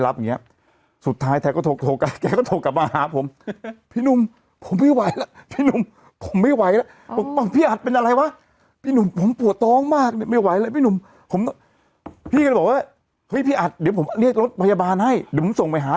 เราก็ไปจำสิ่งที่ดีกลับมา